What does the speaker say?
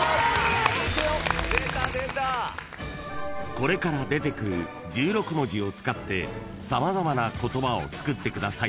［これから出てくる１６文字を使って様々な言葉を作ってください］